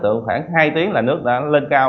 theo dõi đối tượng khoảng hai tiếng là nước đã lên cao